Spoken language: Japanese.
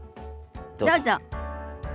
どうぞ。